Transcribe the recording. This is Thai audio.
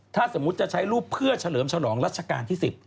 ถ้าสมมุติจะใช้รูปเพื่อเฉลิมฉลองรัชกาลที่๑๐